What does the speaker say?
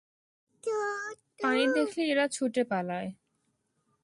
পানি দেখলেই এরা ছুটে পালায়।